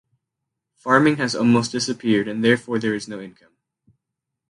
Farming has almost disappeared and therefore there is no income.